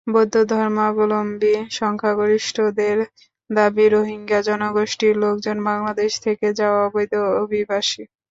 বৌদ্ধধর্মাবলম্বী সংখ্যাগরিষ্ঠদের দাবি, রোহিঙ্গা জনগোষ্ঠীর লোকজন বাংলাদেশ থেকে যাওয়া অবৈধ অভিবাসী।